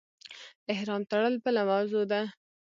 احرام تړل بله موضوع ده.